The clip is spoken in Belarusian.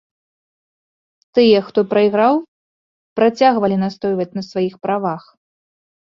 Тыя хто прайграў працягвалі настойваць на сваіх правах.